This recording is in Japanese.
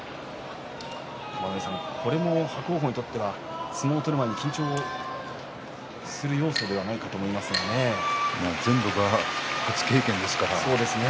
玉ノ井さん、これも伯桜鵬にとっては相撲を取るまで緊張する要素ではないかと全部が初経験ですから。